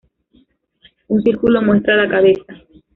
Un círculo muestra la cabeza.